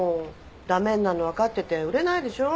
駄目になるの分かってて売れないでしょ。